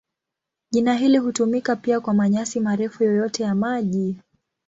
Jina hili hutumika pia kwa manyasi marefu yoyote ya maji.